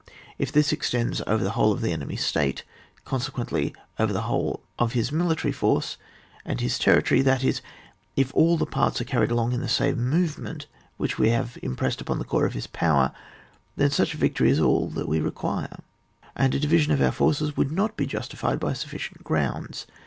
If this extends over the whole of the enemy's state, consequently over the whole of his military force and his terri tory, that is, if all the parts are carried along in the same movement, which we have impressed upon the core of his power, then such a victory is all that we require, and a division of o\ir forces would not be justified by sufficient grounds.